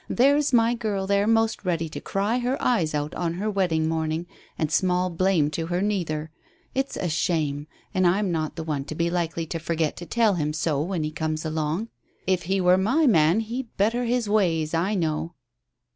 There's my girl there most ready to cry her eyes out on her wedding morning, and small blame to her neither. It's a shame, and I'm not the one to be likely to forget to tell him so when he comes along. If he were my man he'd better his ways, I know."